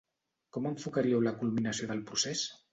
Com enfocaríeu la culminació del procés?